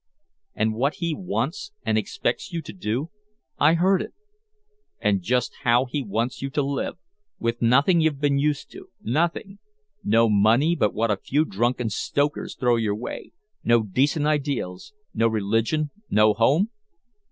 "And what he wants and expects you to do?" "I heard it." "And just how he wants you to live with nothing you've been used to nothing? No money but what a few drunken stokers throw your way, no decent ideals, no religion, no home?"